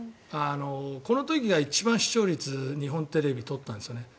この時が一番視聴率日本テレビ、取ったんですね。